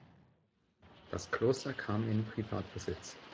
Das Kloster kam in Privatbesitz.